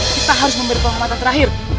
kita harus memberi penghormatan terakhir